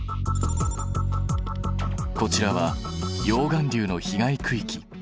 こちらは溶岩流の被害区域。